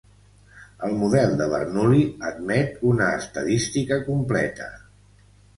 El model de Bernoulli admet una estadística completa.